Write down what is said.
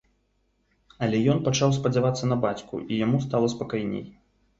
Але ён пачаў спадзявацца на бацьку, і яму стала спакайней.